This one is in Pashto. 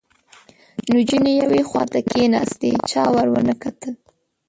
نجونې یوې خواته کېناستې، چا ور ونه کتل